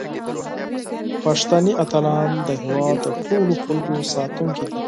پښتني اتلان د هیواد د ټولو خلکو ساتونکي دي.